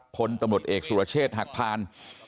พลตำรวจเอกสุรเชษฐ์หักพาน